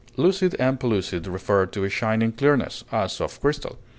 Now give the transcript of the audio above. Lucid and pellucid refer to a shining clearness, as of crystal.